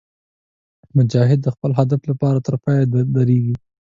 مجاهد د خپل هدف لپاره تر پایه درېږي.